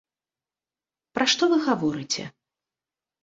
Пра што вы гаворыце?